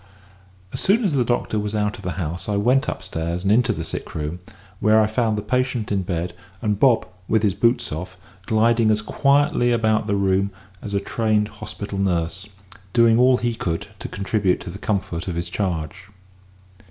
As soon as the doctor was out of the house I went upstairs and into the sick room, where I found the patient in bed, and Bob, with his boots off, gliding as quietly about the room as a trained hospital nurse, doing all he could to contribute to the comfort of his charge.